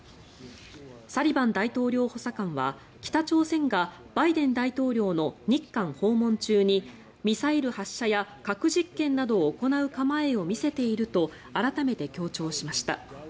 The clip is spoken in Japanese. サリバン大統領補佐官は北朝鮮がバイデン大統領の日韓訪問中にミサイル発射や核実験などを行う構えを見せていると改めて強調しました。